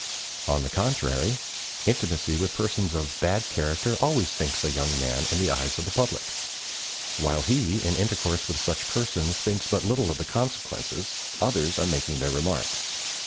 On the contrary, intimacy with persons of bad character always sinks a young man in the eyes of the public. While he, in intercourse with such persons, thinks but little of the consequences, others are making their remarks.